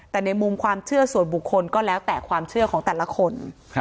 แต่ในมุมความเชื่อส่วนบุคคลก็แล้วแต่ความเชื่อของแต่ละคน